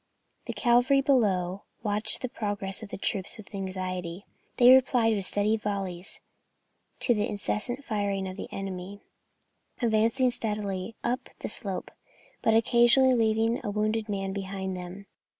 The Cavalry below watched the progress of the troops with anxiety. They replied with steady volleys to the incessant firing of the enemy, advancing steadily up the slope, but occasionally leaving a wounded man behind them.